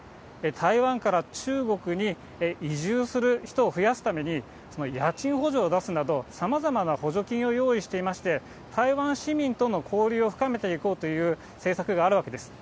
台湾から中国に移住する人を増やすために家賃補助を出すなど、さまざまな補助金を用意していまして、台湾市民との交流を深めていこうという政策があるわけです。